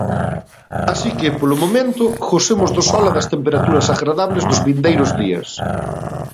Así que, polo momento, gocemos do sol e das temperaturas agradables dos vindeiros días.